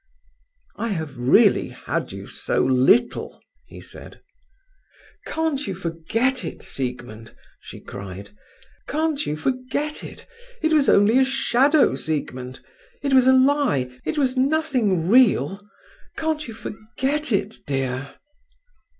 "I have really had you so little," he said. "Can't you forget it, Siegmund?" she cried. "Can't you forget it? It was only a shadow, Siegmund. It was a lie, it was nothing real. Can't you forget it, dear?"